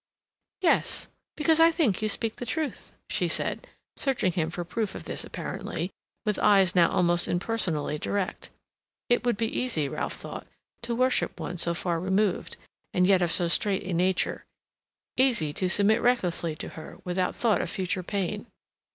"Yes. Because I think you speak the truth," she said, searching him for proof of this apparently, with eyes now almost impersonally direct. It would be easy, Ralph thought, to worship one so far removed, and yet of so straight a nature; easy to submit recklessly to her, without thought of future pain.